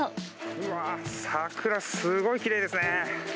うわー、桜、すごいきれいですね。